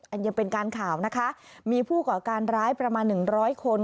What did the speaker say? อันนี้เป็นการข่าวนะคะมีผู้ก่อการร้ายประมาณ๑๐๐คน